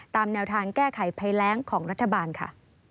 ตามแนวทางแก้ไขภัยแรงของรัฐบาลค่ะ